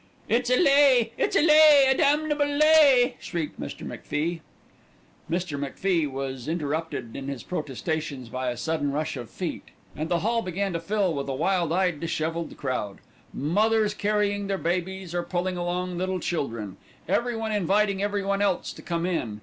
"It's a lee! It's a lee! A damnable lee!" shrieked Mr. MacFie. Mr. MacFie was interrupted in his protestations by a sudden rush of feet, and the hall began to fill with a wild eyed, dishevelled crowd. Mothers carrying their babies, or pulling along little children. Everyone inviting everyone else to come in.